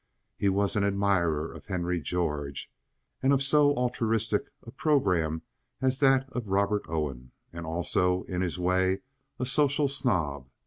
He was an admirer of Henry George and of so altruistic a programme as that of Robert Owen, and, also, in his way, a social snob.